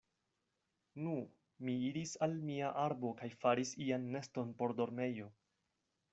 Nu, mi iris al mia arbo kaj faris ian neston por dormejo.